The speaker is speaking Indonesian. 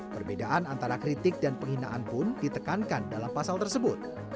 perbedaan antara kritik dan penghinaan pun ditekankan dalam pasal tersebut